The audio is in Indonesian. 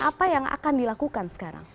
apa yang akan dilakukan sekarang